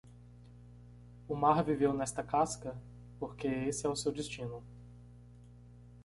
O mar viveu nesta casca? porque esse é o seu destino.